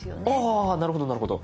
あなるほどなるほど。